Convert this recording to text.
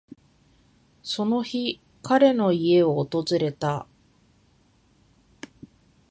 その日、彼の家を訪れた。